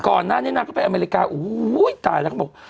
ก่อนนั้นนางก็ไปอเมริการ์โอ้ยตายแล้วเขาบอก